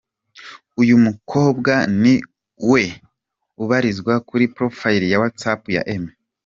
Uyu mukobwa ni we ubarizwa kuri Profile ya whatsapp ya Emmy.